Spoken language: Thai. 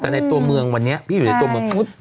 แต่ในตัวเมืองวันนี้พี่อยู่ในตัวเมืองพุทธ